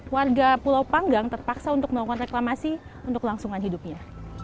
warga pulau panggang terpaksa untuk melakukan reklamasi untuk langsungan hidupnya